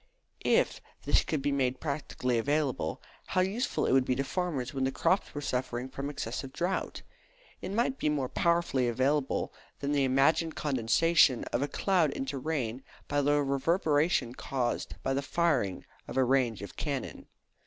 If this could be made practically available, how useful it would be to farmers when the crops were suffering from excessive drought! It might be more powerfully available than the imagined condensation of a cloud into rain by the reverberation caused by the firing of a range of cannon.